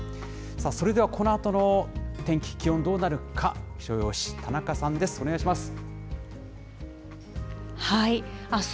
それではこのあとの天気、気温、どうなるか、気象予報士、田中さんです。